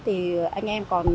thì anh em còn